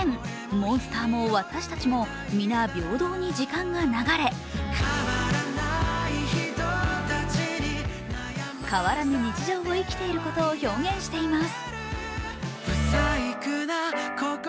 モンスターも私たちも、みな平等に時間が流れ変わらぬ日常を生きていることを表現しています。